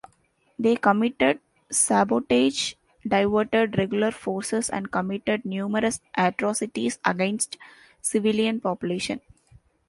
They committed sabotage, diverted regular forces and committed numerous atrocities against civilian population.